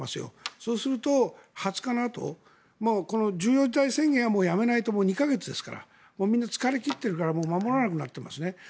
そうすると、２０日のあと緊急事態宣言はやめないともう２か月ですからもうみんな疲れ切ってますから守らなくなっていますね。